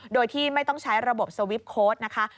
โดยที่ไม่ต้องใช้ระบบสวิปโค้ดนะคะ